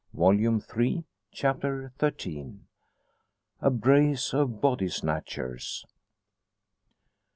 Volume Three, Chapter XIII. A BRACE OF BODY SNATCHERS.